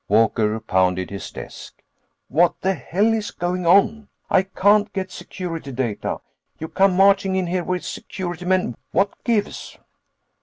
Walker pounded his desk. "What the hell is going on? I can't get Security Data, you come marching in here with security men ... what gives?"